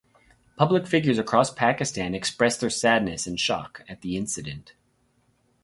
Public figures across Pakistan expressed their sadness and shock at the incident.